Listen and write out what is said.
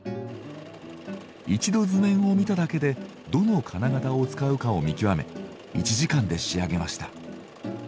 一度図面を見ただけでどの金型を使うかを見極め１時間で仕上げました。